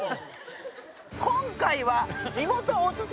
今回は。